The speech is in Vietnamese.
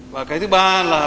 và cái thứ ba là